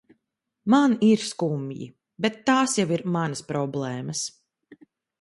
Man ir skumji, bet tās jau ir manas problēmas.